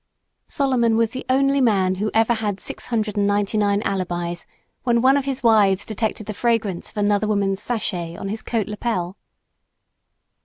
Solomon was the only man who ever had six hundred and ninety nine alibis when one of his wives detected the fragrance of another woman's sachet on his coat lapel.